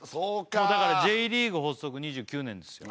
だからＪリーグ発足２９年ですよ